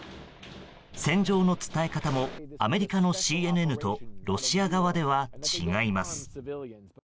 戦場の伝え方もアメリカのＣＮＮとロシア側では違います。